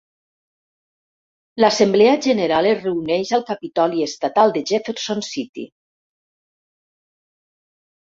L'Assemblea General es reuneix al Capitoli Estatal de Jefferson City.